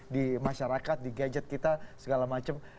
di masyarakat di gadget kita segala macam